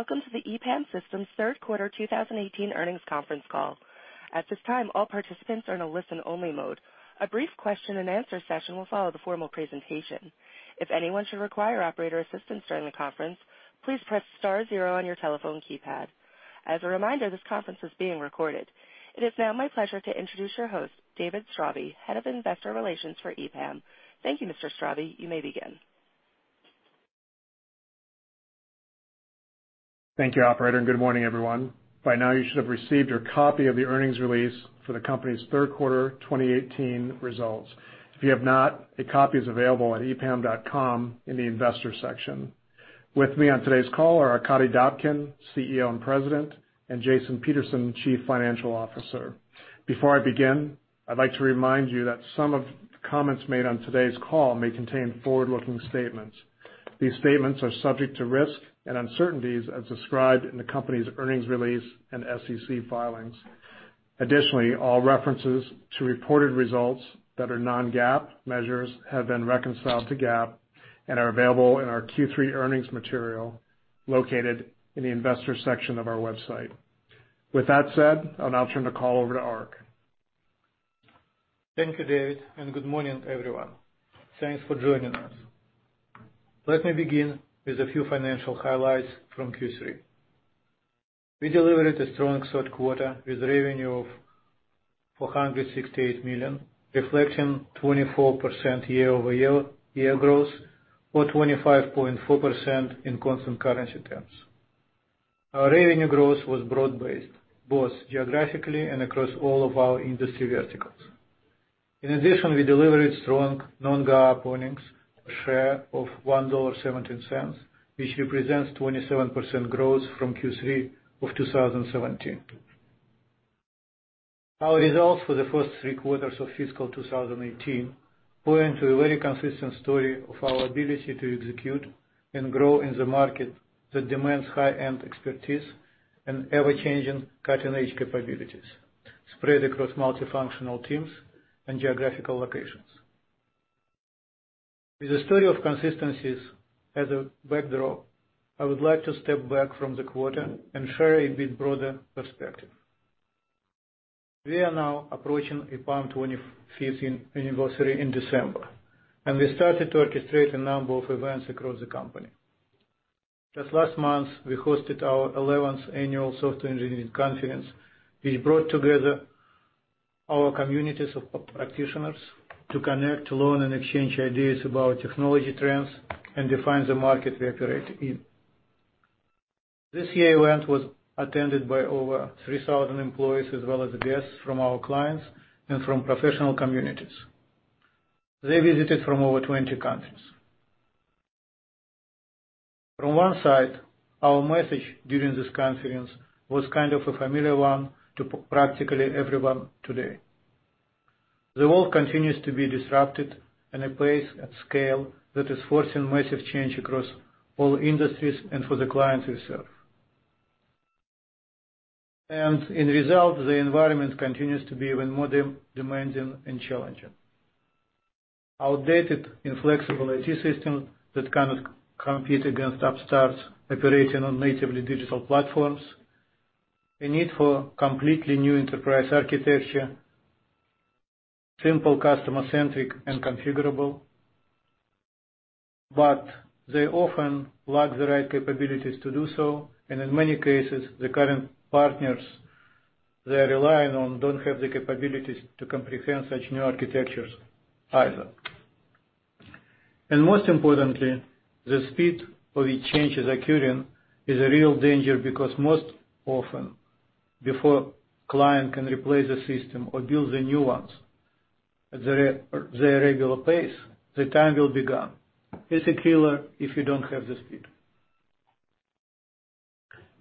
Welcome to the EPAM Systems third quarter 2018 earnings conference call. At this time, all participants are in a listen-only mode. A brief question and answer session will follow the formal presentation. If anyone should require operator assistance during the conference, please press star zero on your telephone keypad. As a reminder, this conference is being recorded. It is now my pleasure to introduce your host, David Straube, Head of Investor Relations for EPAM. Thank you, Mr. Straube. You may begin. Thank you, operator. Good morning, everyone. By now, you should have received your copy of the earnings release for the company's third quarter 2018 results. If you have not, a copy is available at epam.com in the Investors section. With me on today's call are Arkadiy Dobkin, CEO and President, and Jason Peterson, Chief Financial Officer. Before I begin, I'd like to remind you that some of the comments made on today's call may contain forward-looking statements. These statements are subject to risks and uncertainties as described in the company's earnings release and SEC filings. Additionally, all references to reported results that are non-GAAP measures have been reconciled to GAAP and are available in our Q3 earnings material located in the Investors section of our website. With that said, I'll now turn the call over to Ark. Thank you, David. Good morning, everyone. Thanks for joining us. Let me begin with a few financial highlights from Q3. We delivered a strong third quarter with revenue of $468 million, reflecting 24% year-over-year growth or 25.4% in constant currency terms. Our revenue growth was broad-based, both geographically and across all of our industry verticals. In addition, we delivered strong non-GAAP earnings share of $1.17, which represents 27% growth from Q3 of 2017. Our results for the first three quarters of fiscal 2018 point to a very consistent story of our ability to execute and grow in the market that demands high-end expertise and ever-changing cutting-edge capabilities spread across multifunctional teams and geographical locations. With a story of consistencies as a backdrop, I would like to step back from the quarter and share a bit broader perspective. We are now approaching EPAM 25th anniversary in December. We started to orchestrate a number of events across the company. Just last month, we hosted our 11th annual Software Engineering Conference, which brought together our communities of practitioners to connect, learn, and exchange ideas about technology trends and define the market we operate in. This year's event was attended by over 3,000 employees as well as guests from our clients and from professional communities. They visited from over 20 countries. From one side, our message during this conference was a familiar one to practically everyone today. The world continues to be disrupted at a pace and scale that is forcing massive change across all industries and for the clients themselves. As a result, the environment continues to be even more demanding and challenging. Outdated, inflexible IT systems that cannot compete against upstarts operating on natively digital platforms, a need for completely new enterprise architecture, simple customer-centric and configurable, but they often lack the right capabilities to do so, and in many cases, the current partners they are relying on don't have the capabilities to comprehend such new architectures either. Most importantly, the speed of which change is occurring is a real danger because most often, before client can replace the system or build the new ones at their regular pace, the time will be gone. It's a killer if you don't have the speed.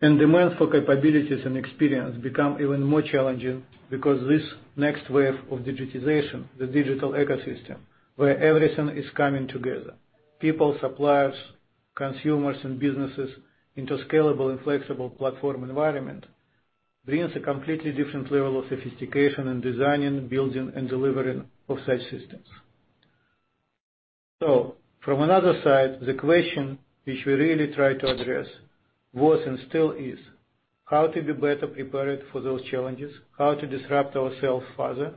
Demands for capabilities and experience become even more challenging because this next wave of digitization, the digital ecosystem, where everything is coming together, people, suppliers, consumers, and businesses into scalable and flexible platform environment, brings a completely different level of sophistication in designing, building, and delivering of such systems. From another side, the question which we really try to address was and still is how to be better prepared for those challenges, how to disrupt ourselves further,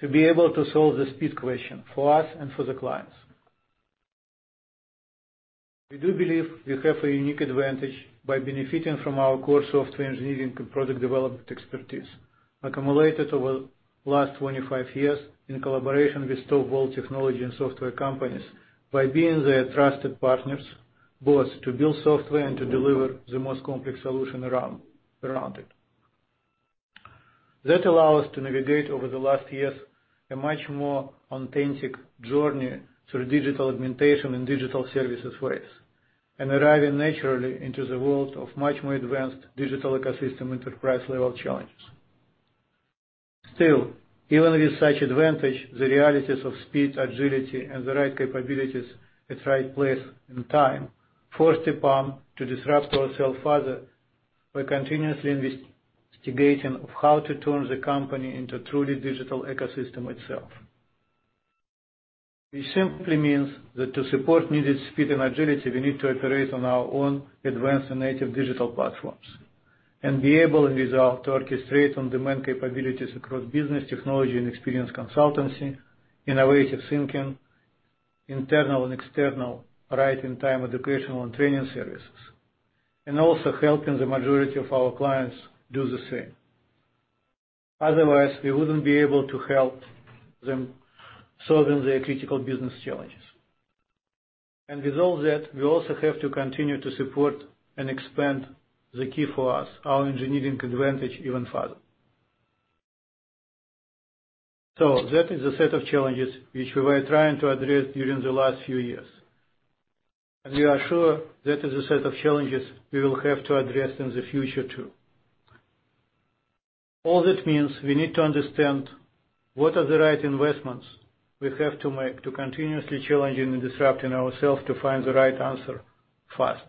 to be able to solve the speed question for us and for the clients. We do believe we have a unique advantage by benefiting from our core software engineering and product development expertise accumulated over the last 25 years in collaboration with top world technology and software companies by being their trusted partners, both to build software and to deliver the most complex solution around it. That allow us to navigate over the last years a much more authentic journey through digital augmentation and digital services ways, and arriving naturally into the world of much more advanced digital ecosystem enterprise-level challenges. Still, even with such advantage, the realities of speed, agility, and the right capabilities at right place and time forced EPAM to disrupt ourselves further by continuously investigating of how to turn the company into truly digital ecosystem itself. It simply means that to support needed speed and agility, we need to operate on our own advanced and native digital platforms and be able, with that, to orchestrate on-demand capabilities across business, technology and experience consultancy, innovative thinking, internal and external right-in-time educational and training services. Also helping the majority of our clients do the same. Otherwise, we wouldn't be able to help them solving their critical business challenges. With all that, we also have to continue to support and expand, the key for us, our engineering advantage even further. That is a set of challenges which we were trying to address during the last few years. We are sure that is a set of challenges we will have to address in the future, too. All that means we need to understand what are the right investments we have to make to continuously challenging and disrupting ourselves to find the right answer fast,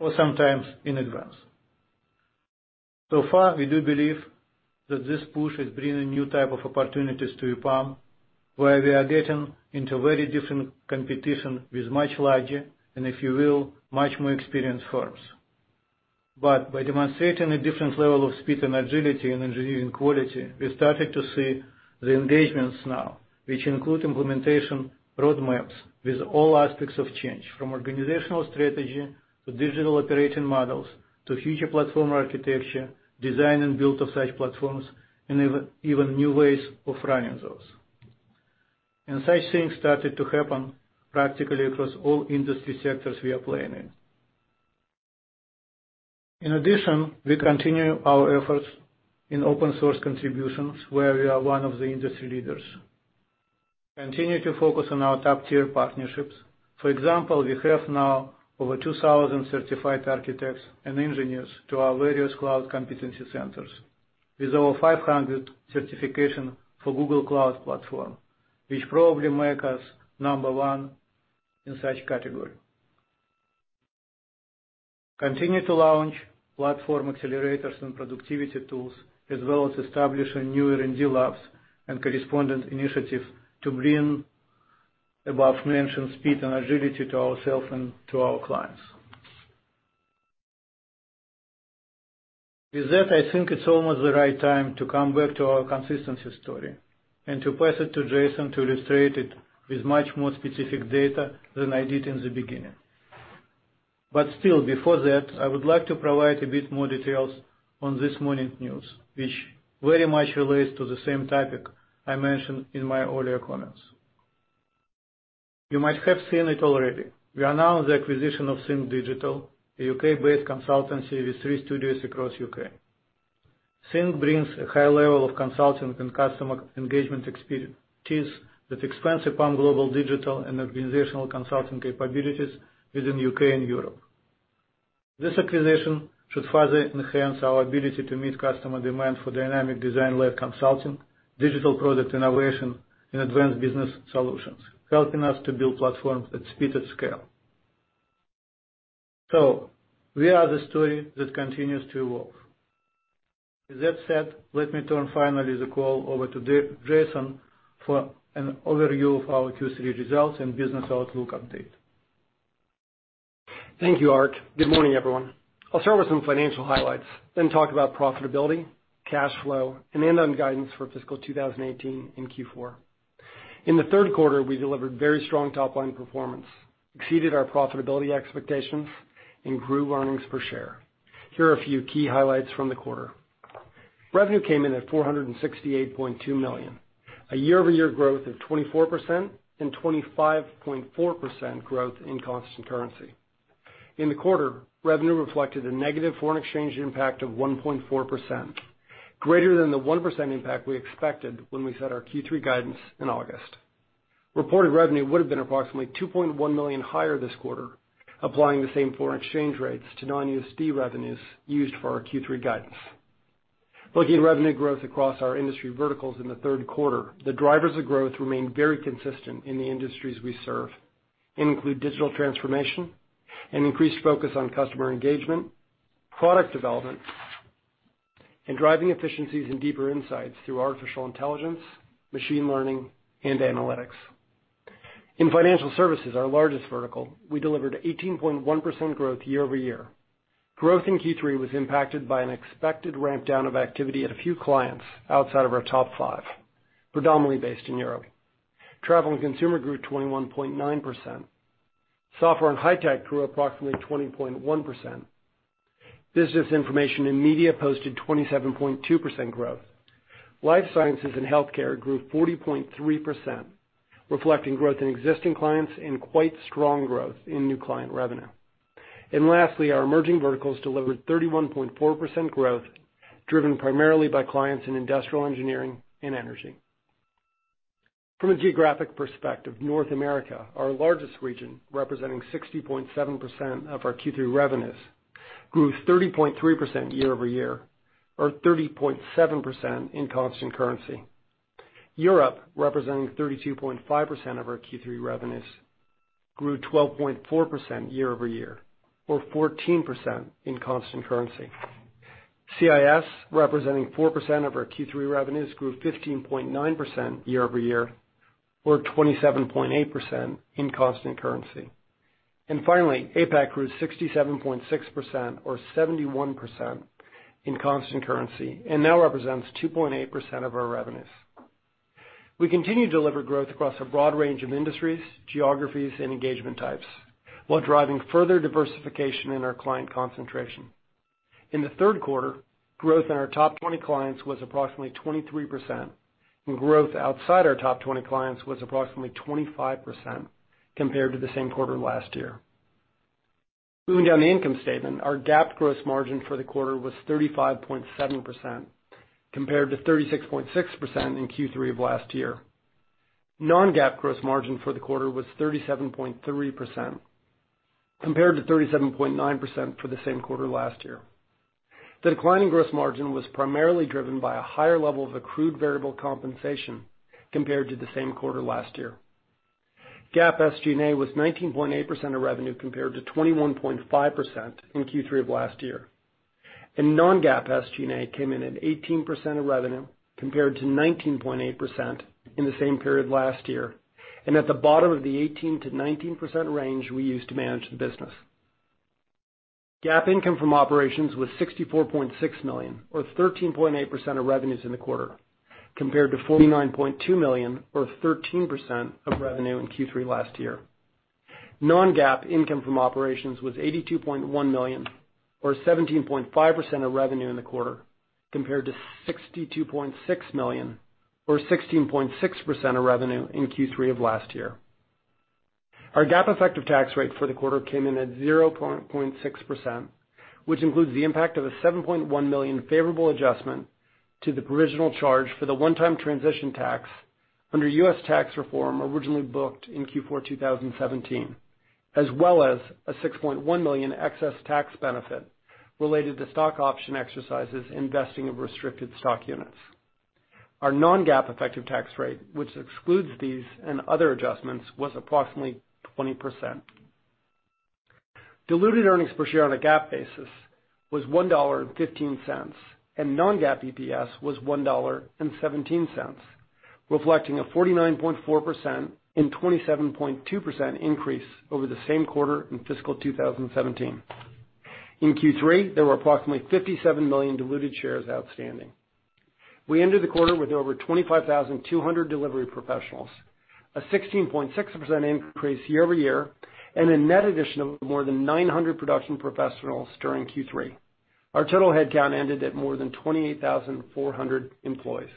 or sometimes in advance. So far, we do believe that this push is bringing new type of opportunities to EPAM, where we are getting into very different competition with much larger, and if you will, much more experienced firms. By demonstrating a different level of speed and agility in engineering quality, we started to see the engagements now, which include implementation roadmaps with all aspects of change, from organizational strategy to digital operating models, to future platform architecture, design and build of such platforms, and even new ways of running those. Such things started to happen practically across all industry sectors we are playing in. In addition, we continue our efforts in open source contributions, where we are one of the industry leaders. Continue to focus on our top-tier partnerships. For example, we have now over 2,000 certified architects and engineers to our various cloud competency centers with over 500 certification for Google Cloud Platform, which probably make us number 1 in such category. Continue to launch platform accelerators and productivity tools, as well as establishing new R&D labs and correspondent initiatives to bring above-mentioned speed and agility to ourselves and to our clients. With that, I think it's almost the right time to come back to our consistency story and to pass it to Jason to illustrate it with much more specific data than I did in the beginning. Still, before that, I would like to provide a bit more details on this morning's news, which very much relates to the same topic I mentioned in my earlier comments. You might have seen it already. We announced the acquisition of TH_NK Digital, a U.K.-based consultancy with three studios across U.K. TH_NK brings a high level of consulting and customer engagement expertise that expands upon global digital and organizational consulting capabilities within U.K. and Europe. This acquisition should further enhance our ability to meet customer demand for dynamic design-led consulting, digital product innovation, and advanced business solutions, helping us to build platforms at speed and scale. We are the story that continues to evolve. With that said, let me turn finally the call over to Jason for an overview of our Q3 results and business outlook update. Thank you, Ark. Good morning, everyone. I'll start with some financial highlights, then talk about profitability, cash flow, and end on guidance for fiscal 2018 and Q4. In the third quarter, we delivered very strong top-line performance, exceeded our profitability expectations, and grew earnings per share. Here are a few key highlights from the quarter. Revenue came in at $468.2 million, a year-over-year growth of 24% and 25.4% growth in constant currency. In the quarter, revenue reflected a negative foreign exchange impact of 1.4%, greater than the 1% impact we expected when we set our Q3 guidance in August. Reported revenue would have been approximately $2.1 million higher this quarter, applying the same foreign exchange rates to non-USD revenues used for our Q3 guidance. Looking at revenue growth across our industry verticals in the third quarter, the drivers of growth remain very consistent in the industries we serve, include digital transformation, an increased focus on customer engagement, product development, and driving efficiencies and deeper insights through artificial intelligence, machine learning, and analytics. In financial services, our largest vertical, we delivered 18.1% growth year-over-year. Growth in Q3 was impacted by an expected ramp down of activity at a few clients outside of our top five, predominantly based in Europe. Travel and consumer grew 21.9%. Software and high tech grew approximately 20.1%. Business information and media posted 27.2% growth. Life sciences and healthcare grew 40.3%, reflecting growth in existing clients and quite strong growth in new client revenue. Lastly, our emerging verticals delivered 31.4% growth, driven primarily by clients in industrial engineering and energy. From a geographic perspective, North America, our largest region, representing 60.7% of our Q3 revenues, grew 30.3% year-over-year, or 30.7% in constant currency. Europe, representing 32.5% of our Q3 revenues, grew 12.4% year-over-year, or 14% in constant currency. CIS, representing 4% of our Q3 revenues, grew 15.9% year-over-year, or 27.8% in constant currency. Finally, APAC grew 67.6% or 71% in constant currency and now represents 2.8% of our revenues. We continue to deliver growth across a broad range of industries, geographies, and engagement types while driving further diversification in our client concentration. In the third quarter, growth in our top 20 clients was approximately 23%, and growth outside our top 20 clients was approximately 25% compared to the same quarter last year. Moving down the income statement, our GAAP gross margin for the quarter was 35.7% compared to 36.6% in Q3 of last year. Non-GAAP gross margin for the quarter was 37.3% compared to 37.9% for the same quarter last year. The decline in gross margin was primarily driven by a higher level of accrued variable compensation compared to the same quarter last year. GAAP SG&A was 19.8% of revenue, compared to 21.5% in Q3 of last year. Non-GAAP SG&A came in at 18% of revenue, compared to 19.8% in the same period last year, and at the bottom of the 18%-19% range we use to manage the business. GAAP income from operations was $64.6 million, or 13.8% of revenues in the quarter, compared to $49.2 million or 13% of revenue in Q3 last year. Non-GAAP income from operations was $82.1 million or 17.5% of revenue in the quarter, compared to $62.6 million or 16.6% of revenue in Q3 of last year. Our GAAP effective tax rate for the quarter came in at 0.6%, which includes the impact of a $7.1 million favorable adjustment to the provisional charge for the one-time transition tax under U.S. Tax Reform, originally booked in Q4 2017, as well as a $6.1 million excess tax benefit related to stock option exercises and vesting of restricted stock units. Our non-GAAP effective tax rate, which excludes these and other adjustments, was approximately 20%. Diluted earnings per share on a GAAP basis was $1.15, and non-GAAP EPS was $1.17, reflecting a 49.4% and 27.2% increase over the same quarter in fiscal 2017. In Q3, there were approximately 57 million diluted shares outstanding. We ended the quarter with over 25,200 delivery professionals, a 16.6% increase year-over-year, and a net addition of more than 900 production professionals during Q3. Our total headcount ended at more than 28,400 employees.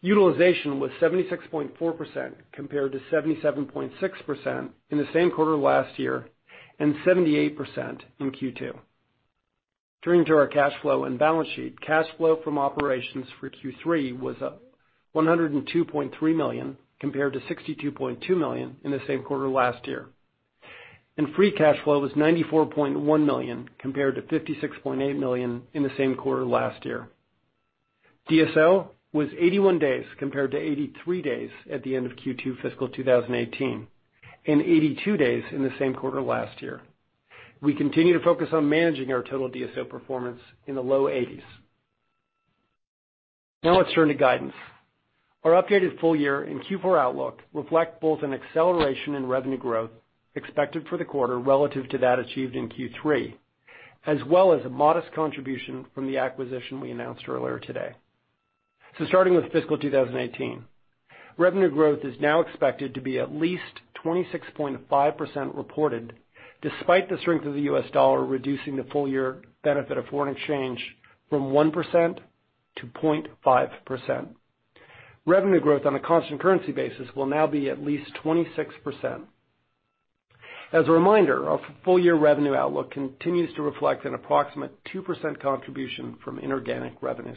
Utilization was 76.4% compared to 77.6% in the same quarter last year and 78% in Q2. Turning to our cash flow and balance sheet, cash flow from operations for Q3 was up $102.3 million compared to $62.2 million in the same quarter last year. Free cash flow was $94.1 million compared to $56.8 million in the same quarter last year. DSO was 81 days compared to 83 days at the end of Q2 fiscal 2018 and 82 days in the same quarter last year. We continue to focus on managing our total DSO performance in the low 80s. Let's turn to guidance. Our updated full year and Q4 outlook reflect both an acceleration in revenue growth expected for the quarter relative to that achieved in Q3, as well as a modest contribution from the acquisition we announced earlier today. Starting with fiscal 2018, revenue growth is now expected to be at least 26.5% reported, despite the strength of the U.S. dollar, reducing the full-year benefit of foreign exchange from 1% to 0.5%. Revenue growth on a constant currency basis will now be at least 26%. As a reminder, our full-year revenue outlook continues to reflect an approximate 2% contribution from inorganic revenues.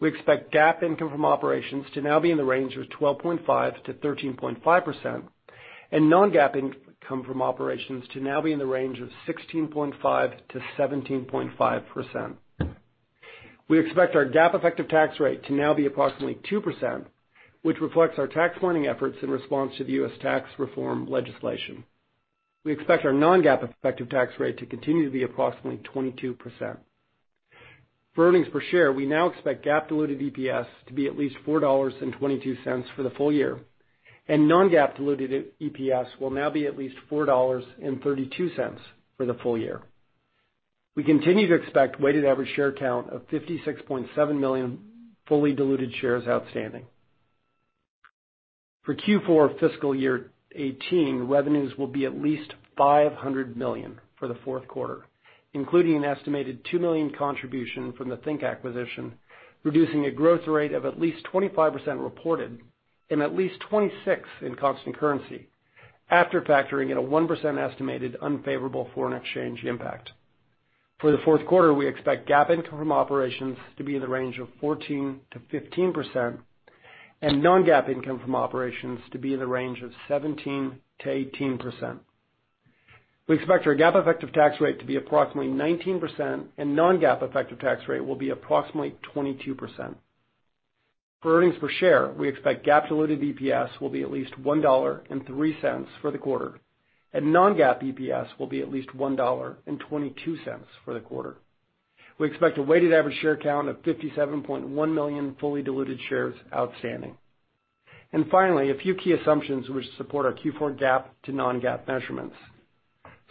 We expect GAAP income from operations to now be in the range of 12.5%-13.5%, and non-GAAP income from operations to now be in the range of 16.5%-17.5%. We expect our GAAP effective tax rate to now be approximately 2%, which reflects our tax planning efforts in response to the U.S. Tax Reform legislation. We expect our non-GAAP effective tax rate to continue to be approximately 22%. For earnings per share, we now expect GAAP diluted EPS to be at least $4.22 for the full year, and non-GAAP diluted EPS will now be at least $4.32 for the full year. We continue to expect weighted average share count of 56.7 million fully diluted shares outstanding. For Q4 fiscal year 2018, revenues will be at least $500 million for the fourth quarter, including an estimated $2 million contribution from the TH_NK acquisition, reducing a growth rate of at least 25% reported and at least 26% in constant currency after factoring in a 1% estimated unfavorable foreign exchange impact. For the fourth quarter, we expect GAAP income from operations to be in the range of 14%-15%, and non-GAAP income from operations to be in the range of 17%-18%. We expect our GAAP effective tax rate to be approximately 19%, and non-GAAP effective tax rate will be approximately 22%. For earnings per share, we expect GAAP diluted EPS will be at least $1.03 for the quarter, and non-GAAP EPS will be at least $1.22 for the quarter. We expect a weighted average share count of 57.1 million fully diluted shares outstanding. Finally, a few key assumptions which support our Q4 GAAP to non-GAAP measurements.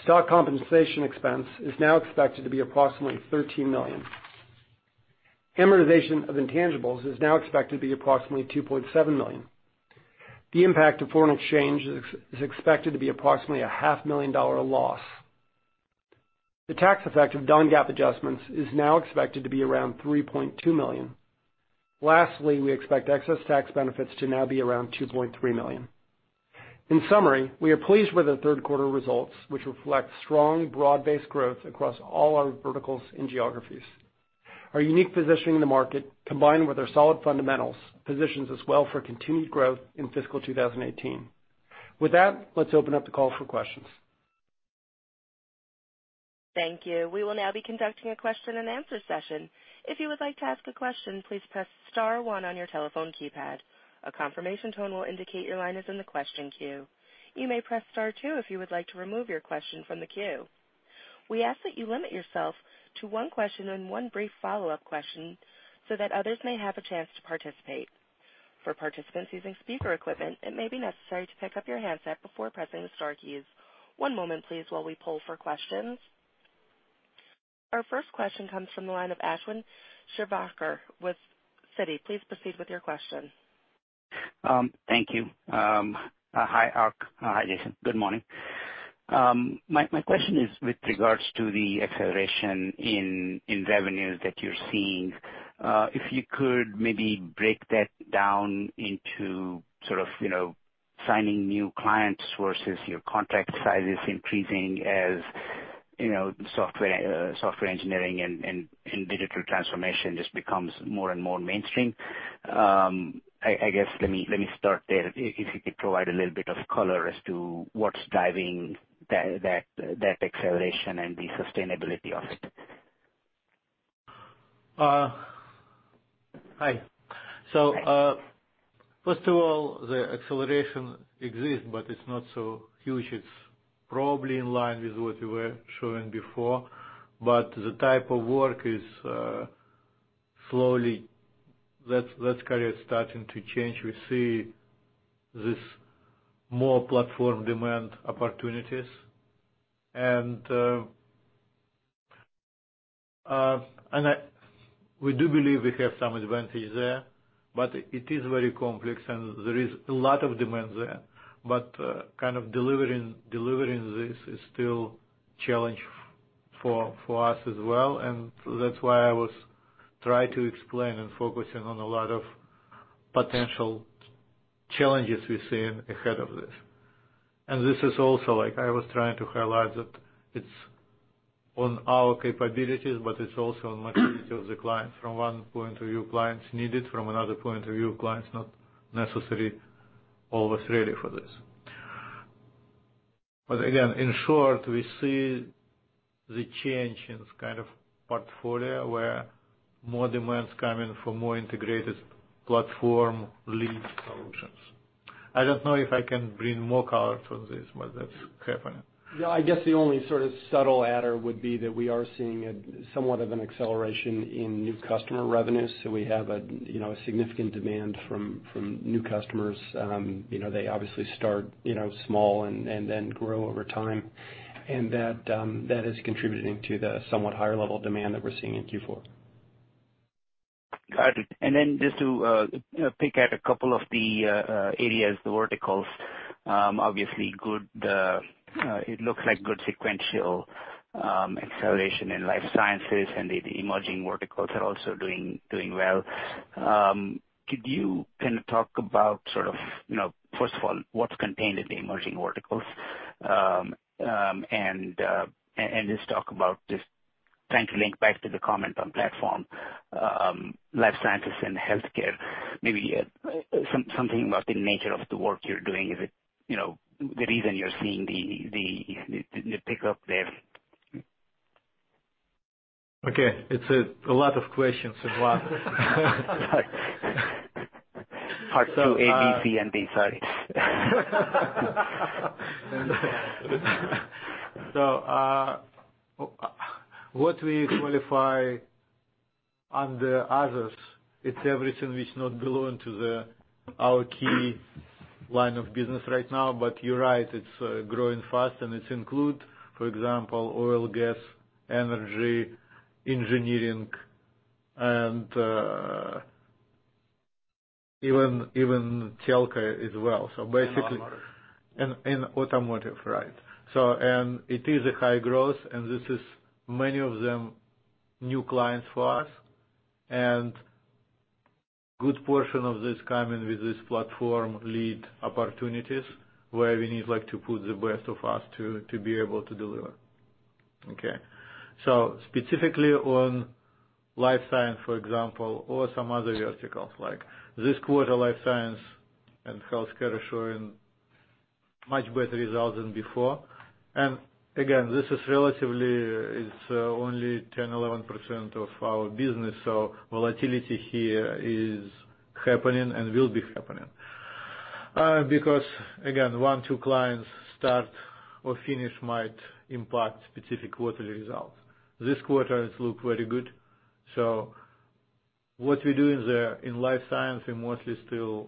Stock compensation expense is now expected to be approximately $13 million. Amortization of intangibles is now expected to be approximately $2.7 million. The impact of foreign exchange is expected to be approximately a half million dollar loss. The tax effect of non-GAAP adjustments is now expected to be around $3.2 million. Lastly, we expect excess tax benefits to now be around $2.3 million. In summary, we are pleased with the third quarter results, which reflect strong, broad-based growth across all our verticals and geographies. Our unique positioning in the market, combined with our solid fundamentals, positions us well for continued growth in fiscal 2018. With that, let's open up the call for questions. Thank you. We will now be conducting a question and answer session. If you would like to ask a question, please press *1 on your telephone keypad. A confirmation tone will indicate your line is in the question queue. You may press *2 if you would like to remove your question from the queue. We ask that you limit yourself to one question and one brief follow-up question so that others may have a chance to participate. For participants using speaker equipment, it may be necessary to pick up your handset before pressing the star keys. One moment, please, while we poll for questions. Our first question comes from the line of Ashwin Shirvaikar with Citi. Please proceed with your question. Thank you. Hi, Ark. Hi, Jason. Good morning. My question is with regards to the acceleration in revenues that you're seeing. If you could maybe break that down into sort of signing new clients versus your contract sizes increasing as software engineering and digital transformation just becomes more and more mainstream. I guess, let me start there. If you could provide a little bit of color as to what's driving that acceleration and the sustainability of it. Hi. Hi. First of all, the acceleration exists, but it's not so huge. It's probably in line with what we were showing before, but the type of work is slowly starting to change. We see these more platform demand opportunities, and we do believe we have some advantage there, but it is very complex, and there is a lot of demand there. Kind of delivering this is still a challenge for us as well, and that's why I was trying to explain and focusing on a lot of potential challenges we're seeing ahead of this. This is also, like I was trying to highlight, that it's on our capabilities, but it's also on maturity of the client. From one point of view, clients need it. From another point of view, clients not necessarily always ready for this. In short, we see the change in this kind of portfolio where more demands coming for more integrated platform-led solutions. I don't know if I can bring more color to this, that's happening. I guess the only sort of subtle adder would be that we are seeing somewhat of an acceleration in new customer revenues. We have a significant demand from new customers. They obviously start small and then grow over time. That is contributing to the somewhat higher level demand that we're seeing in Q4. Got it. Just to pick out a couple of the areas, the verticals, obviously, it looks like good sequential acceleration in life sciences, and the emerging verticals are also doing well. Could you kind of talk about sort of, first of all, what's contained in the emerging verticals? Just talk about just trying to link back to the comment on platform, life sciences and healthcare, maybe something about the nature of the work you're doing. Is it the reason you're seeing the pickup there? Okay. It's a lot of questions in one. Part two, A, B, C, and D. Sorry. What we qualify under others, it's everything which does not belong to our key line of business right now. You're right, it's growing fast, and it includes, for example, oil, gas, energy, engineering, and even telco as well. Automotive. Automotive, right. It is a high growth, and this is many of them new clients for us, and good portion of this coming with this platform lead opportunities where we need to put the best of us to be able to deliver. Okay. Specifically on life science, for example, or some other verticals like this quarter, life science and healthcare showing much better result than before. Again, this is relatively, it's only 10%, 11% of our business. Volatility here is happening and will be happening. Because again, one, two clients start or finish might impact specific quarterly results. This quarter, it looks very good. What we do in life science, we're mostly still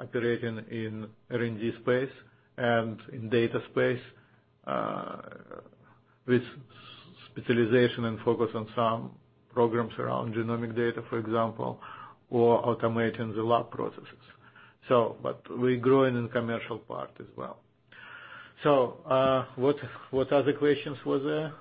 operating in R&D space and in data space, with specialization and focus on some programs around genomic data, for example, or automating the lab processes. We're growing in the commercial part as well. What other questions was there?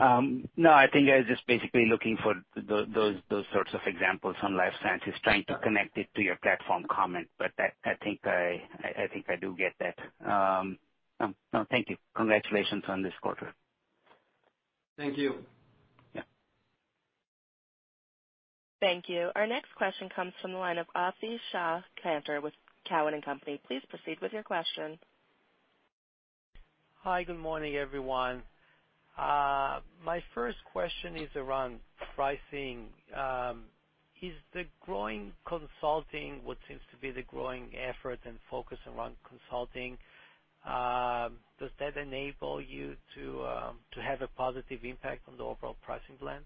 No, I think I was just basically looking for those sorts of examples on life sciences, trying to connect it to your platform comment. I think I do get that. No. Thank you. Congratulations on this quarter. Thank you. Yeah. Thank you. Our next question comes from the line of Avishai Kantor with Cowen and Company. Please proceed with your question. Hi, good morning, everyone. My first question is around pricing. Is the growing consulting, what seems to be the growing effort and focus around consulting, does that enable you to have a positive impact on the overall pricing plan?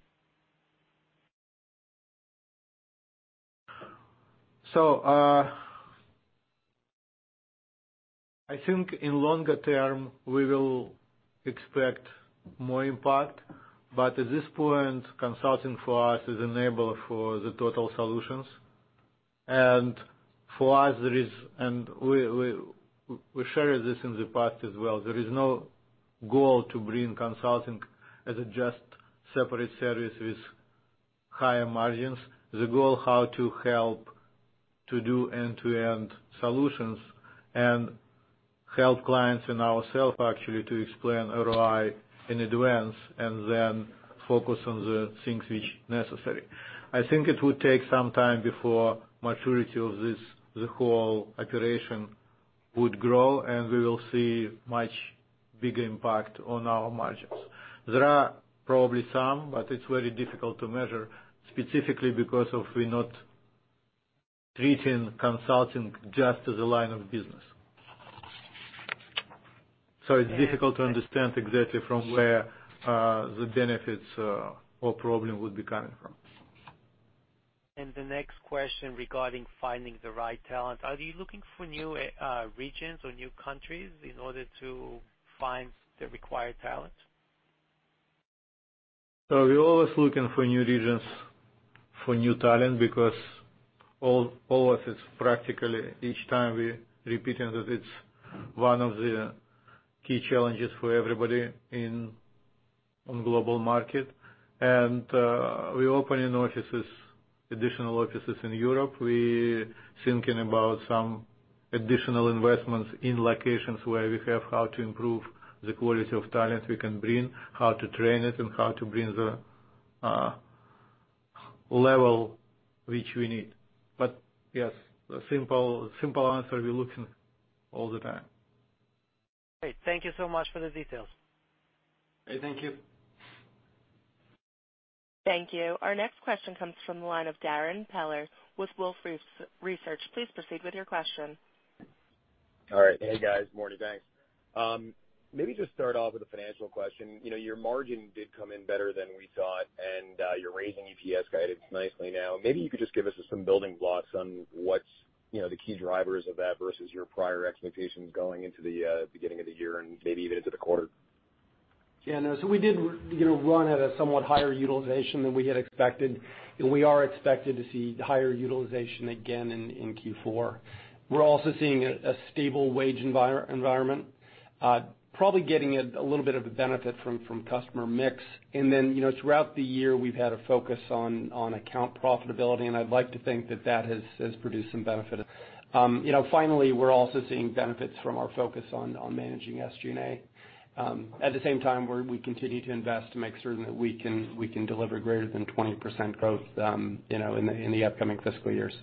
I think in longer term, we will expect more impact, but at this point, consulting for us is enabler for the total solutions. For us, and we shared this in the past as well, there is no goal to bring consulting as a just separate service with higher margins. The goal how to help to do end-to-end solutions and help clients and ourself actually to explain ROI in advance and then focus on the things which necessary. I think it would take some time before maturity of the whole operation would grow, and we will see much bigger impact on our margins. There are probably some, but it's very difficult to measure specifically because of we're not treating consulting just as a line of business. It's difficult to understand exactly from where the benefits or problem would be coming from. The next question regarding finding the right talent. Are you looking for new regions or new countries in order to find the required talent? We're always looking for new regions for new talent because always it's practically each time we're repeating that it's one of the key challenges for everybody on global market. We're opening additional offices in Europe. We're thinking about some additional investments in locations where we have how to improve the quality of talent we can bring, how to train it, and how to bring the level which we need. Yes, simple answer, we're looking all the time. Great. Thank you so much for the details. Thank you. Thank you. Our next question comes from the line of Darrin Peller with Wolfe Research. Please proceed with your question. All right. Hey, guys. Morning. Thanks. Maybe just start off with a financial question. Your margin did come in better than we thought, and you're raising EPS guidance nicely now. Maybe you could just give us some building blocks on what's the key drivers of that versus your prior expectations going into the beginning of the year and maybe even into the quarter. Yeah, no. We did run at a somewhat higher utilization than we had expected, and we are expected to see higher utilization again in Q4. We're also seeing a stable wage environment. Probably getting a little bit of a benefit from customer mix. Throughout the year, we've had a focus on account profitability, and I'd like to think that that has produced some benefit. Finally, we're also seeing benefits from our focus on managing SG&A. At the same time, we continue to invest to make certain that we can deliver greater than 20% growth in the upcoming fiscal years.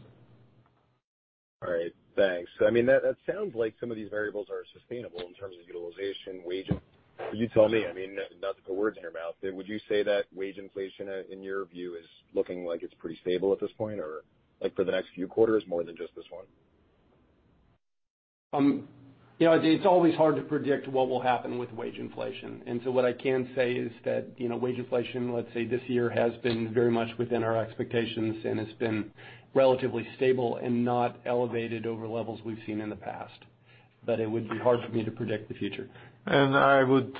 All right. Thanks. That sounds like some of these variables are sustainable in terms of utilization, wages. You tell me. Not to put words in your mouth, but would you say that wage inflation, in your view, is looking like it's pretty stable at this point, or for the next few quarters, more than just this one? It's always hard to predict what will happen with wage inflation. What I can say is that wage inflation, let's say this year, has been very much within our expectations and has been relatively stable and not elevated over levels we've seen in the past. It would be hard for me to predict the future. I would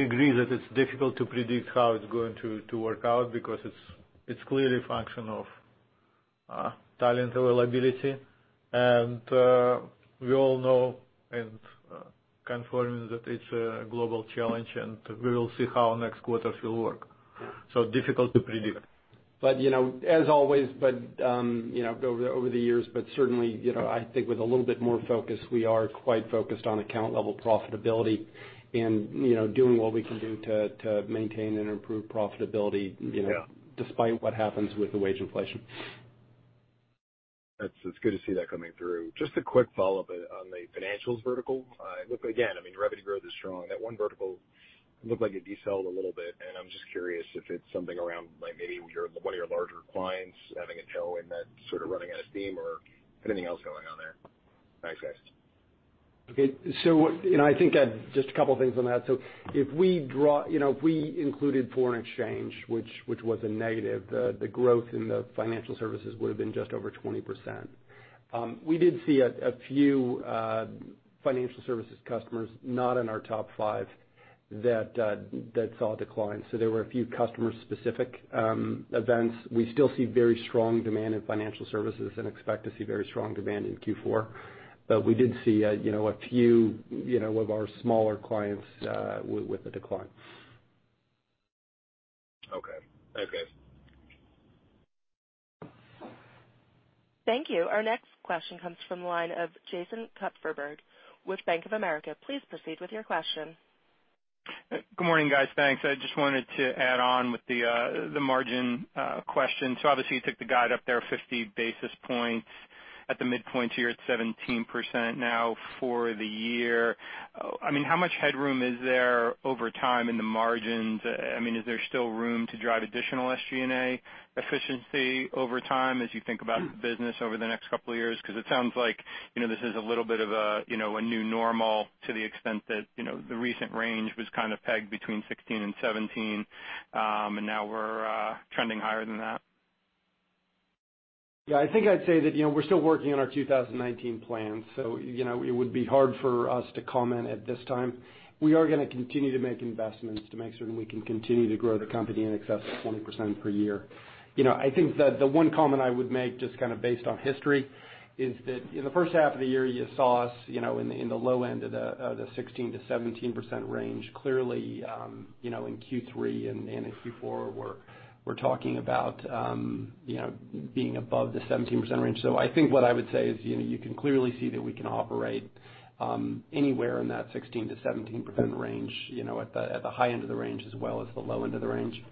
agree that it's difficult to predict how it's going to work out because it's clearly a function of talent availability. We all know and confirm that it's a global challenge, and we will see how next quarters will work. Difficult to predict. As always, over the years, but certainly I think with a little bit more focus, we are quite focused on account-level profitability and doing what we can do to maintain and improve profitability. Yeah Despite what happens with the wage inflation. That's good to see that coming through. Just a quick follow-up on the financials vertical. Again, revenue growth is strong. That one vertical looked like it decelerated a little bit, and I'm just curious if it's something around maybe one of your larger clients having a toe in that sort of running out of steam or anything else going on there. Thanks, guys. I think just a couple of things on that. If we included foreign exchange, which was a negative, the growth in the financial services would have been just over 20%. We did see a few financial services customers, not in our top five, that saw a decline. There were a few customer-specific events. We still see very strong demand in financial services and expect to see very strong demand in Q4. We did see a few of our smaller clients with the decline. Okay. Thanks, guys. Thank you. Our next question comes from the line of Jason Kupferberg with Bank of America. Please proceed with your question. Good morning, guys. Thanks. I just wanted to add on with the margin question. Obviously, you took the guide up there 50 basis points at the midpoint here at 17% now for the year. How much headroom is there over time in the margins? Is there still room to drive additional SG&A efficiency over time as you think about the business over the next couple of years? It sounds like this is a little bit of a new normal to the extent that the recent range was kind of pegged between 16 and 17, now we're trending higher than that. I think I'd say that we're still working on our 2019 plan, it would be hard for us to comment at this time. We are going to continue to make investments to make certain we can continue to grow the company in excess of 20% per year. The one comment I would make, just based on history, is that in the first half of the year, you saw us in the low end of the 16%-17% range. Clearly, in Q3 and Q4, we're talking about being above the 17% range. I think what I would say is you can clearly see that we can operate anywhere in that 16%-17% range, at the high end of the range as well as the low end of the range.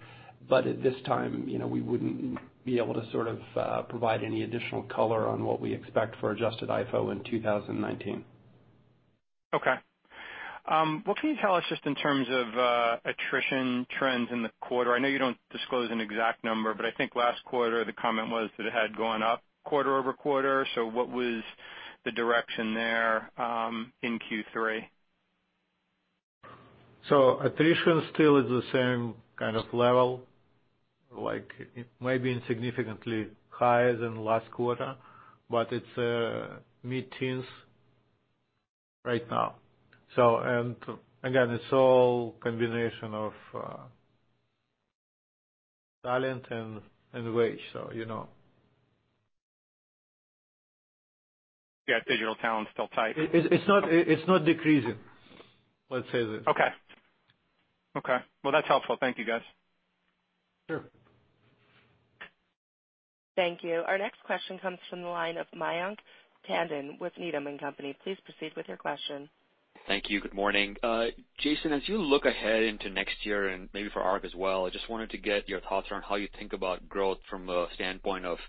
At this time, we wouldn't be able to provide any additional color on what we expect for adjusted IFO in 2019. What can you tell us just in terms of attrition trends in the quarter? I know you don't disclose an exact number, but I think last quarter, the comment was that it had gone up quarter-over-quarter. What was the direction there in Q3? Attrition still is the same kind of level, like maybe significantly higher than last quarter, but it's mid-teens right now. Again, it's all combination of talent and wage. Digital talent's still tight. It's not decreasing, let's say that. Okay. Well, that's helpful. Thank you, guys. Sure. Thank you. Our next question comes from the line of Mayank Tandon with Needham & Company. Please proceed with your question. Thank you. Good morning. Jason, as you look ahead into next year, and maybe for Ark as well, I just wanted to get your thoughts on how you think about growth from a standpoint of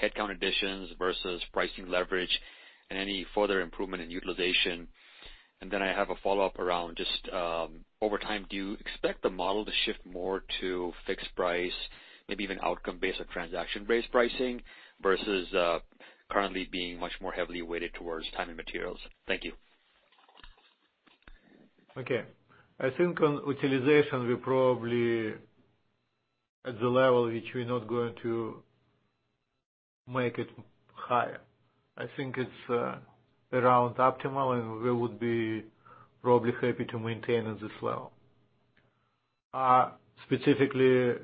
headcount additions versus pricing leverage and any further improvement in utilization. I have a follow-up around just, over time, do you expect the model to shift more to fixed price, maybe even outcome-based or transaction-based pricing versus currently being much more heavily weighted towards time and materials? Thank you. Okay. I think on utilization, we're probably at the level which we're not going to make it higher. I think it's around optimal, and we would be probably happy to maintain at this level, specifically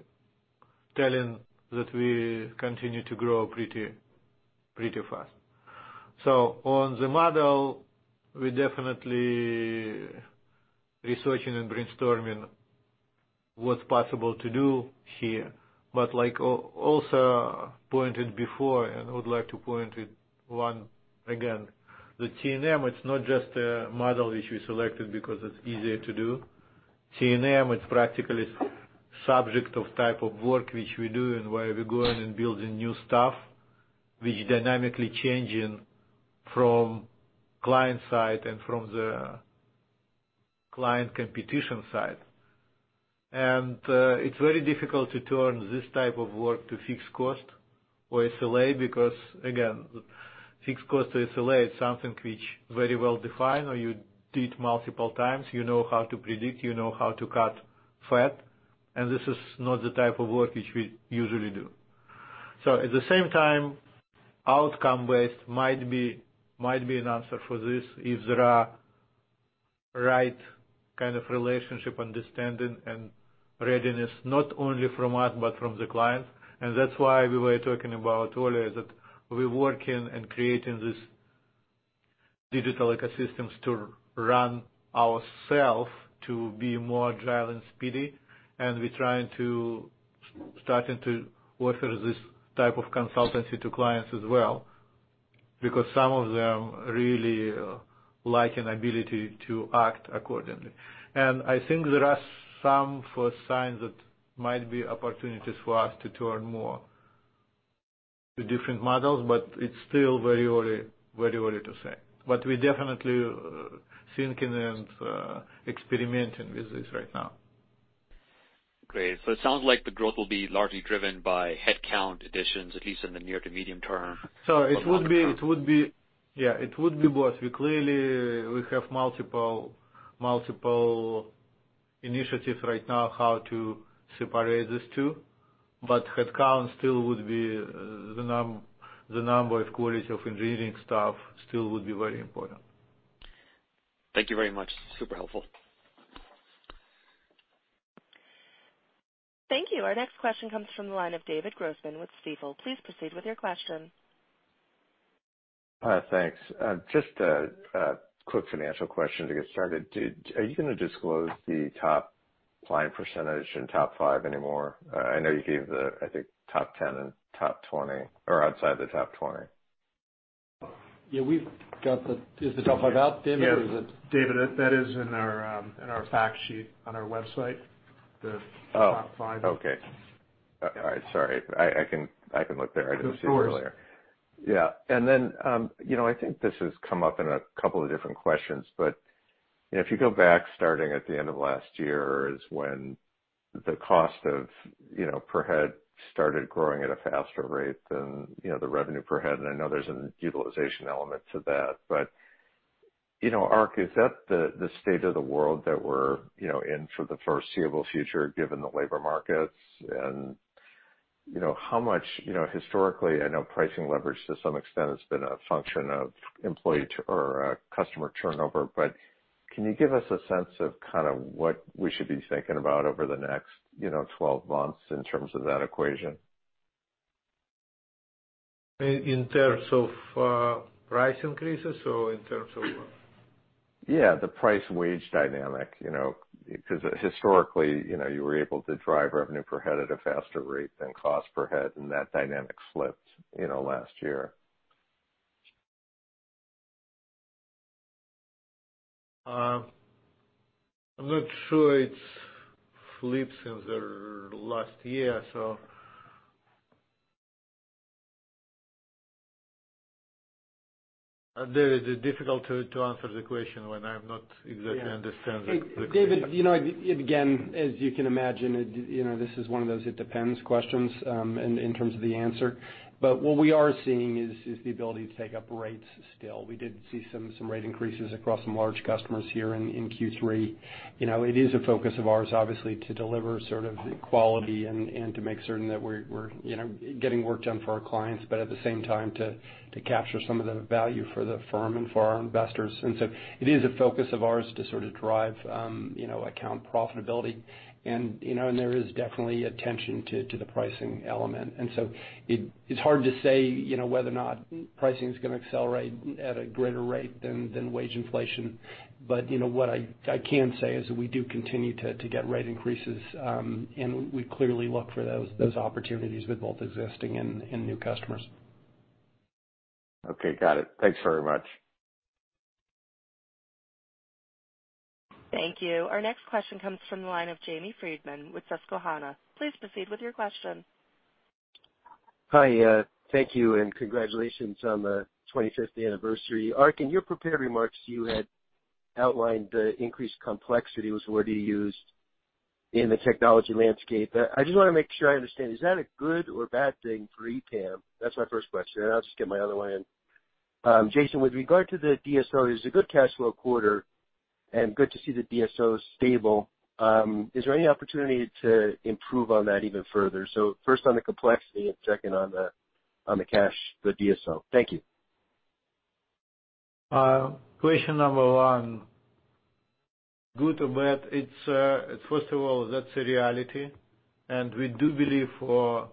telling that we continue to grow pretty fast. On the model, we're definitely researching and brainstorming what's possible to do here. Like also pointed before, and I would like to point it once again, the T&M, it's not just a model which we selected because it's easier to do. T&M, it's practically subject of type of work which we do and where we're going and building new stuff, which is dynamically changing from client side and from the client competition side. It's very difficult to turn this type of work to fixed cost or SLA because, again, fixed cost or SLA is something which very well defined, or you did multiple times, you know how to predict, you know how to cut fat, and this is not the type of work which we usually do. At the same time, outcome-based might be an answer for this if there are right kind of relationship, understanding, and readiness, not only from us, but from the client. That's why we were talking about earlier that we're working and creating these digital ecosystems to run ourselves to be more agile and speedy, and we're trying to start into offer this type of consultancy to clients as well. Because some of them really lack an ability to act accordingly. I think there are some signs that might be opportunities for us to turn more to different models, but it's still very early to say. We're definitely thinking and experimenting with this right now. Great. It sounds like the growth will be largely driven by headcount additions, at least in the near to medium term. It would be both. We clearly have multiple initiatives right now how to separate these two. Headcount still would be the number of quality of engineering staff, still would be very important. Thank you very much. Super helpful. Thank you. Our next question comes from the line of David Grossman with Stifel. Please proceed with your question. Thanks. Just a quick financial question to get started. Are you going to disclose the top client percentage and top 5 anymore? I know you gave the, I think, top 10 and top 20 or outside the top 20. Yeah, we've got the. Is the top five out, David? Yeah, David, that is in our fact sheet on our website, the top five. Oh, okay. All right, sorry. I can look there. I didn't see it earlier. Of course. Yeah. I think this has come up in a couple of different questions. If you go back starting at the end of last year is when the cost of per head started growing at a faster rate than the revenue per head, and I know there's an utilization element to that. Ark, is that the state of the world that we're in for the foreseeable future, given the labor markets? How much, historically, I know pricing leverage to some extent has been a function of employee or customer turnover, but can you give us a sense of kind of what we should be thinking about over the next 12 months in terms of that equation? In terms of price increases or in terms of what? Yeah, the price wage dynamic. Historically, you were able to drive revenue per head at a faster rate than cost per head, and that dynamic slipped last year. I'm not sure it slipped since the last year. David, it's difficult to answer the question when I'm not exactly understanding the question. David, again, as you can imagine this is one of those it depends questions in terms of the answer. What we are seeing is the ability to take up rates still. We did see some rate increases across some large customers here in Q3. It is a focus of ours, obviously, to deliver sort of the quality and to make certain that we're getting work done for our clients, but at the same time to capture some of the value for the firm and for our investors. It is a focus of ours to sort of drive account profitability, and there is definitely attention to the pricing element. It's hard to say whether or not pricing is going to accelerate at a greater rate than wage inflation. What I can say is that we do continue to get rate increases, and we clearly look for those opportunities with both existing and new customers. Okay. Got it. Thanks very much. Thank you. Our next question comes from the line of Jamie Friedman with Susquehanna. Please proceed with your question. Hi. Thank you, and congratulations on the 25th anniversary. Ark, in your prepared remarks, you had outlined the increased complexity was the word you used in the technology landscape. I just want to make sure I understand, is that a good or bad thing for EPAM? That's my first question, and I'll just get my other one in. Jason, with regard to the DSO, it's a good cash flow quarter and good to see the DSO's stable. Is there any opportunity to improve on that even further? First on the complexity and second on the cash, the DSO. Thank you. Question number one, good or bad? First of all, that's a reality, and we do believe for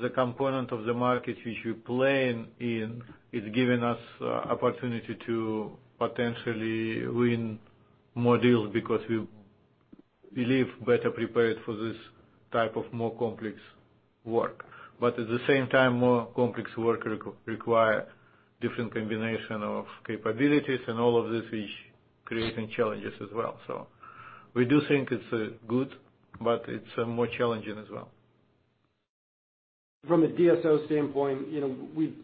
the component of the market which we play in, it's given us opportunity to potentially win more deals because we believe better prepared for this type of more complex work. At the same time, more complex work require different combination of capabilities and all of this is creating challenges as well. We do think it's good, but it's more challenging as well. From a DSO standpoint, we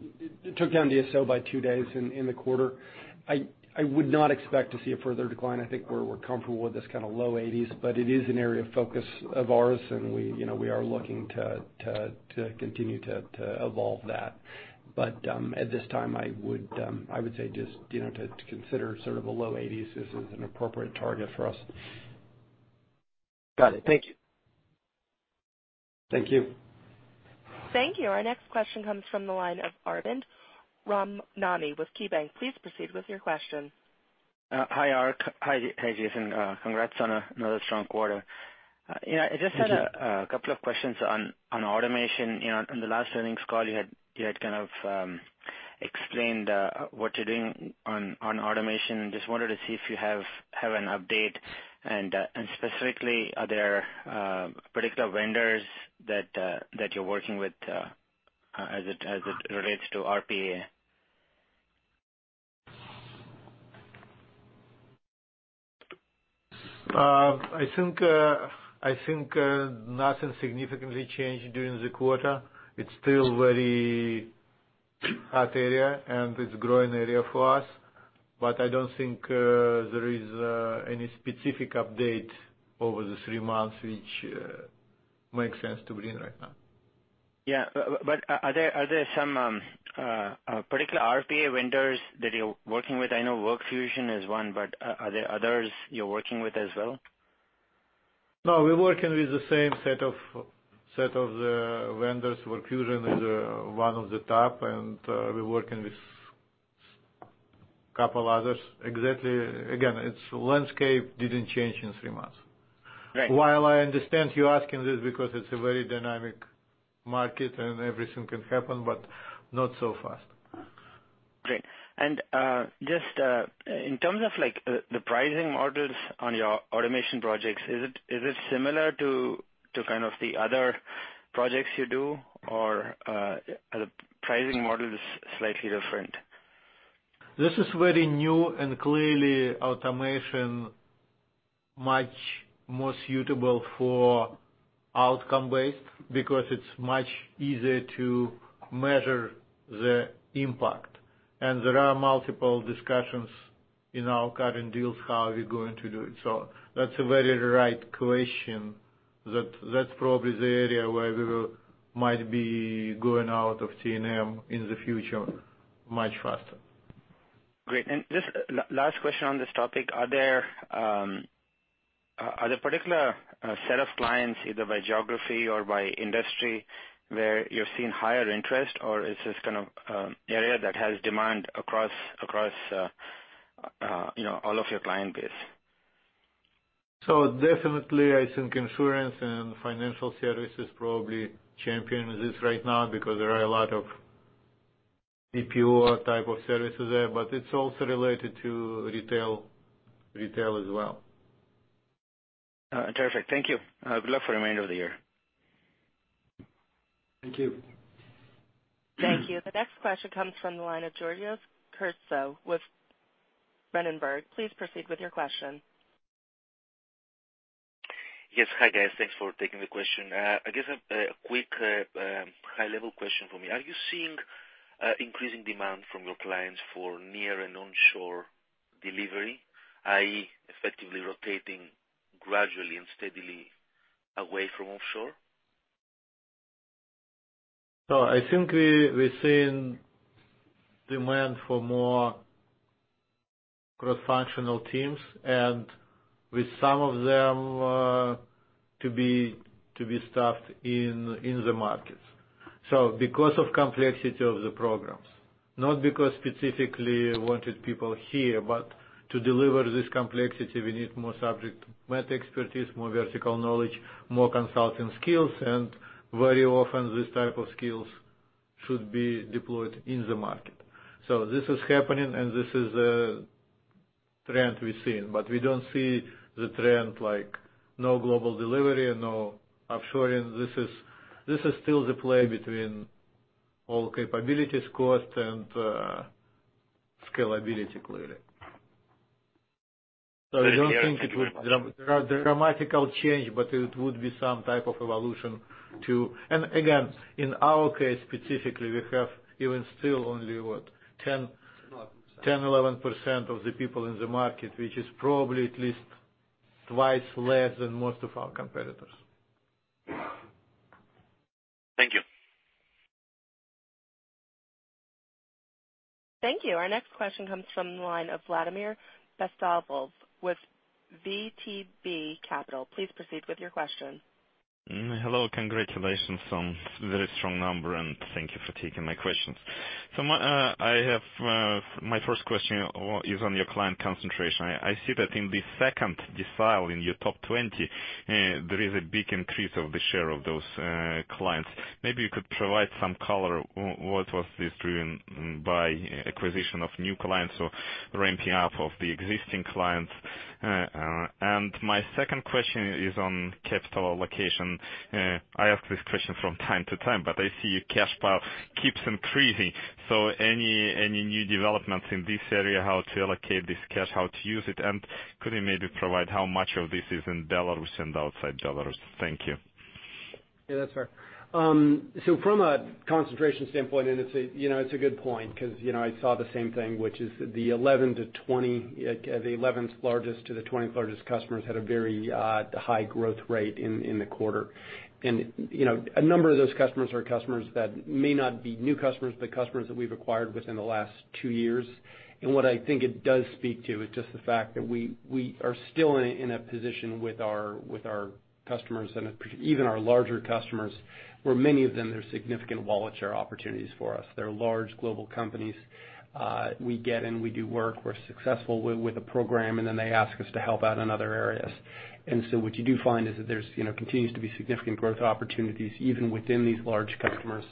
took down DSO by two days in the quarter. I would not expect to see a further decline. I think we're comfortable with this kind of low eighties, but it is an area of focus of ours, and we are looking to continue to evolve that. At this time, I would say just to consider sort of a low eighties as an appropriate target for us. Got it. Thank you. Thank you. Thank you. Our next question comes from the line of Arvind Ramnani with KeyBanc. Please proceed with your question. Hi, Ark. Hi, Jason. Congrats on another strong quarter. I just had a couple of questions on automation. On the last earnings call, you had kind of explained what you're doing on automation, and just wanted to see if you have an update, and specifically, are there particular vendors that you're working with as it relates to RPA? I think nothing significantly changed during the quarter. It's still a very hot area, and it's a growing area for us. I don't think there is any specific update over the three months which makes sense to bring right now. Yeah. Are there some particular RPA vendors that you're working with? I know WorkFusion is one, but are there others you're working with as well? No, we're working with the same set of vendors. WorkFusion is one of the top, and we're working with a couple others. Again, its landscape didn't change in three months. Right. While I understand you asking this because it's a very dynamic market and everything can happen, but not so fast. Great. Just in terms of the pricing models on your automation projects, is it similar to kind of the other projects you do, or are the pricing models slightly different? This is very new, clearly automation much more suitable for outcome-based because it's much easier to measure the impact. There are multiple discussions in our current deals, how we're going to do it. That's a very right question. That's probably the area where we might be going out of T&M in the future much faster. Great. Just last question on this topic. Are there a particular set of clients, either by geography or by industry, where you're seeing higher interest, or is this kind of area that has demand across all of your client base? Definitely, I think insurance and financial services probably champion this right now because there are a lot of BPO type of services there. It's also related to retail as well. All right, terrific. Thank you. Good luck for the remainder of the year. Thank you. Thank you. The next question comes from the line of Georgios Kertsos with Berenberg. Please proceed with your question. Yes. Hi, guys. Thanks for taking the question. I guess a quick high-level question for me. Are you seeing increasing demand from your clients for near and onshore delivery, i.e., effectively rotating gradually and steadily away from offshore? I think we're seeing demand for more cross-functional teams, and with some of them to be staffed in the markets. Because of complexity of the programs, not because specifically wanted people here, but to deliver this complexity, we need more subject matter expertise, more vertical knowledge, more consulting skills, and very often these type of skills should be deployed in the market. This is happening, and this is a trend we're seeing, but we don't see the trend like no global delivery and no offshoring. This is still the play between all capabilities, cost, and scalability clearly. I don't think it would be a dramatic change, but it would be some type of evolution too. Again, in our case, specifically, we have even still only, what, 10%, 11% of the people in the market, which is probably at least twice less than most of our competitors. Thank you. Thank you. Our next question comes from the line of Vladimir Pestov with VTB Capital. Please proceed with your question. Hello. Congratulations on very strong number, and thank you for taking my questions. My first question is on your client concentration. I see that in the second decile in your top 20, there is a big increase of the share of those clients. Maybe you could provide some color, what was this driven by acquisition of new clients or ramping up of the existing clients? My second question is on capital allocation. I ask this question from time to time, but I see your cash pile keeps increasing. Any new developments in this area, how to allocate this cash, how to use it? Could you maybe provide how much of this is in Belarus and outside Belarus? Thank you. Yeah, that's fair. From a concentration standpoint, and it's a good point because I saw the same thing, which is the 11th largest to the 20th largest customers had a very high growth rate in the quarter. A number of those customers are customers that may not be new customers, but customers that we've acquired within the last two years. What I think it does speak to is just the fact that we are still in a position with our customers and even our larger customers, where many of them, they're significant wallet share opportunities for us. They're large global companies. We get in, we do work, we're successful with a program, and then they ask us to help out in other areas. What you do find is that there continues to be significant growth opportunities even within these large customers.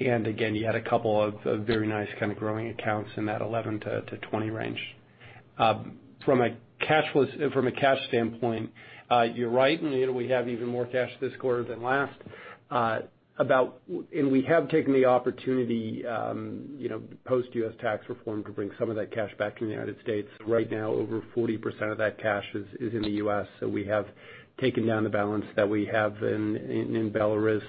Again, you had a couple of very nice kind of growing accounts in that 11 to 20 range. From a cash standpoint, you're right. We have even more cash this quarter than last. And we have taken the opportunity post-U.S. Tax Reform to bring some of that cash back in the United States. Right now, over 40% of that cash is in the U.S., so we have taken down the balance that we have in Belarus.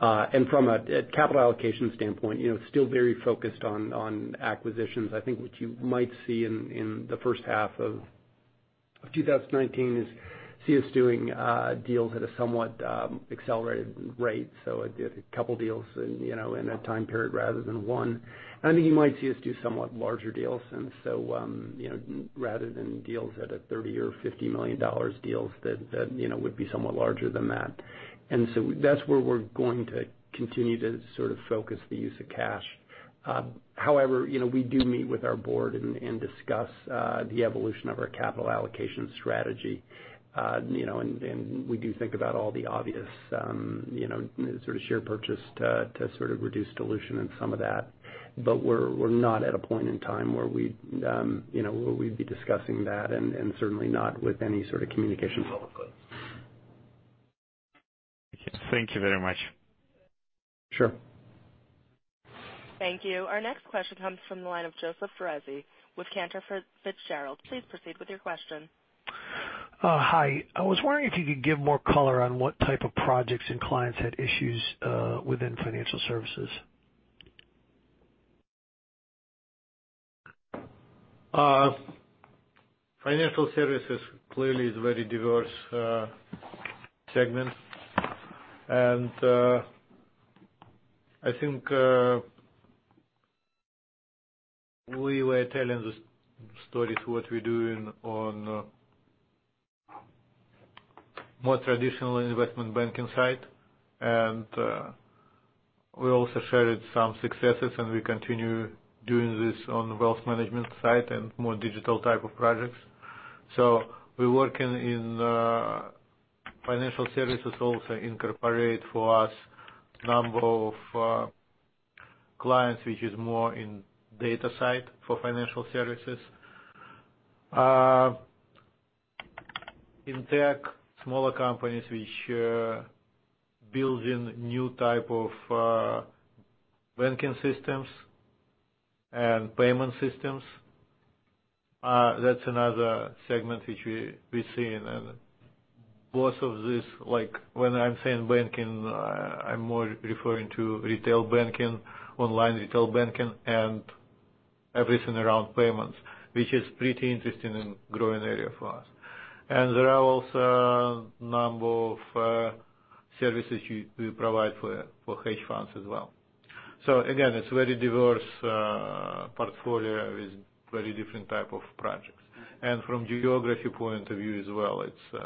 From a capital allocation standpoint, it's still very focused on acquisitions. I think what you might see in the first half of 2019 is see us doing deals at a somewhat accelerated rate, so a couple deals in a time period rather than one. You might see us do somewhat larger deals. Rather than deals at a $30 or $50 million deals that would be somewhat larger than that. That's where we're going to continue to sort of focus the use of cash. However, we do meet with our board and discuss the evolution of our capital allocation strategy. We do think about all the obvious, sort of share purchase to sort of reduce dilution and some of that. We're not at a point in time where we'd be discussing that, and certainly not with any sort of communication publicly. Okay. Thank you very much. Sure. Thank you. Our next question comes from the line of Joseph Foresi with Cantor Fitzgerald. Please proceed with your question. Hi. I was wondering if you could give more color on what type of projects and clients had issues within financial services. Financial services clearly is a very diverse segment. I think we were telling the stories what we're doing on more traditional investment banking side. We also shared some successes. We continue doing this on the wealth management side and more digital type of projects. We're working in financial services also incorporate for us number of clients, which is more in data side for financial services. In tech, smaller companies which are building new type of banking systems and payment systems, that's another segment which we're seeing. Both of these, when I'm saying banking, I'm more referring to retail banking, online retail banking, and everything around payments, which is pretty interesting and growing area for us. There are also a number of services we provide for hedge funds as well. Again, it's a very diverse portfolio with very different type of projects. From geography point of view as well, it's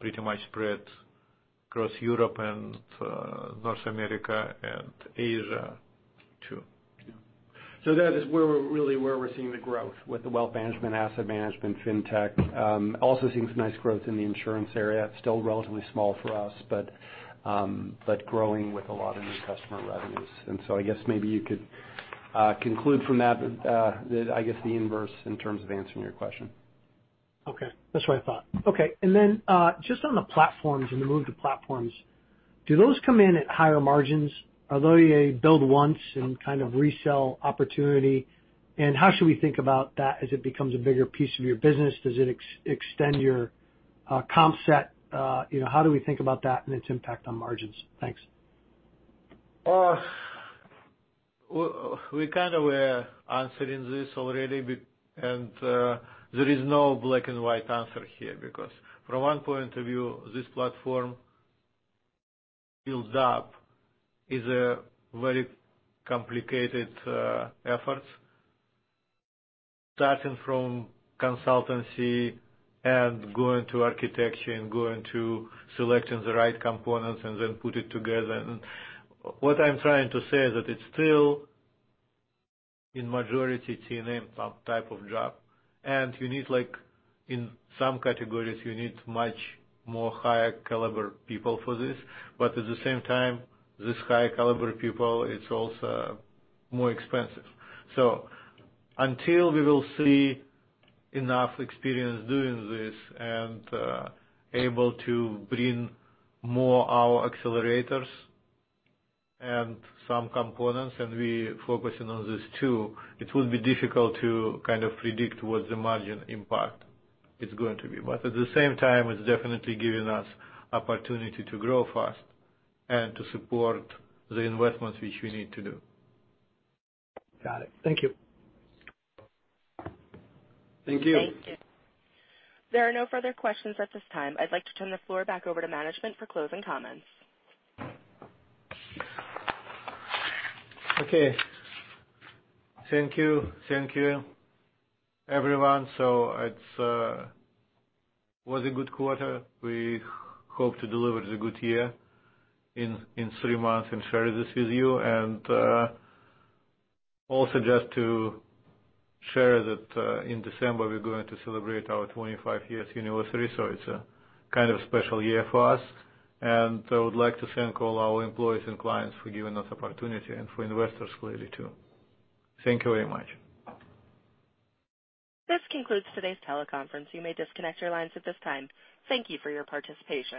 pretty much spread across Europe and North America, and Asia too. That is really where we're seeing the growth with the wealth management, asset management, fintech. Also seeing some nice growth in the insurance area. It's still relatively small for us, but growing with a lot of new customer revenues. I guess maybe you could conclude from that, I guess the inverse in terms of answering your question. Okay. That's what I thought. Okay. Then, just on the platforms and the move to platforms, do those come in at higher margins? Are they a build once and kind of resell opportunity? How should we think about that as it becomes a bigger piece of your business? Does it extend your comp set? How do we think about that and its impact on margins? Thanks. We kind of were answering this already, there is no black-and-white answer here, because from one point of view, this platform builds up is a very complicated effort, starting from consultancy and going to architecture and going to selecting the right components and then put it together. What I'm trying to say is that it's still, in majority, T&M type of job. In some categories, you need much more higher caliber people for this. At the same time, this high caliber people, it's also more expensive. Until we will see enough experience doing this and able to bring more our accelerators and some components, and we focusing on this too, it will be difficult to kind of predict what the margin impact is going to be. At the same time, it's definitely giving us opportunity to grow fast and to support the investments which we need to do. Got it. Thank you. Thank you. Thank you. There are no further questions at this time. I'd like to turn the floor back over to management for closing comments. Okay. Thank you. Thank you, everyone. It was a good quarter. We hope to deliver the good year in three months and share this with you. Just to share that in December, we're going to celebrate our 25 years anniversary, so it's a kind of special year for us. I would like to thank all our employees and clients for giving us opportunity and for investors clearly too. Thank you very much. This concludes today's teleconference. You may disconnect your lines at this time. Thank you for your participation.